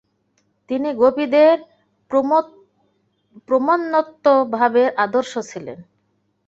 তিনি গোপীদের প্রেমোন্মত্ত ভাবের আদর্শ ছিলেন।